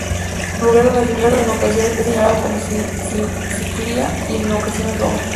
Su lugar de nacimiento en ocasiones es señalado como Sicilia y en ocasiones Roma.